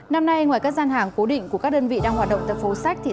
năm nay ngoài các gian hàng cố định của các đơn vị đang hoạt động tại phố sách